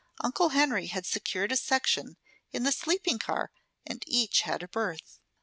Uncle Henry had secured a section in the sleeping car and each had a berth.